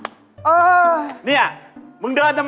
รายการต่อไปนี้เป็นรายการทั่วไปสามารถรับชมได้ทุกวัย